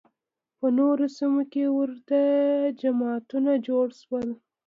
په نورو سیمو کې ورته جماعتونه جوړ شول